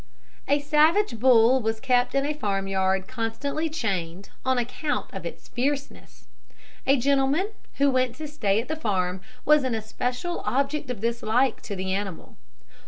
A savage bull was kept in a farmyard constantly chained on account of its fierceness. A gentleman who went to stay at the farm was an especial object of dislike to the animal.